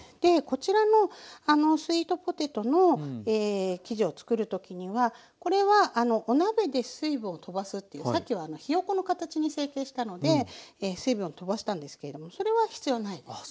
こちらのスイートポテトの生地をつくる時にはこれはお鍋で水分をとばすっていうさっきはひよこの形に成形したので水分をとばしたんですけれどもそれは必要ないです。